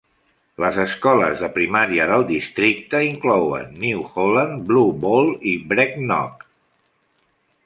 Les escoles de primària del districte inclouen: New Holland, Blue Ball i Brecknock.